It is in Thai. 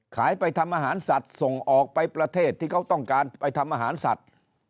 ไปทำอาหารสัตว์ส่งออกไปประเทศที่เขาต้องการไปทำอาหารสัตว์